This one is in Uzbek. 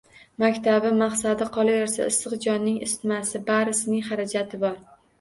Maktabi, maqsadi, qolaversa issiq jonning isitmasi – barisining xarajati bor